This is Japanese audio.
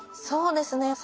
そうですね。